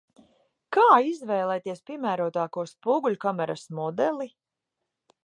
Kā izvēlēties piemērotāko spoguļkameras modeli?